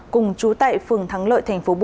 cùng chú tại phường thắng lợi tp bùm